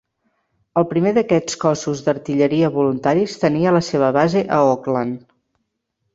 El primer d'aquests Cossos d'Artilleria Voluntaris tenia la seva base a Auckland.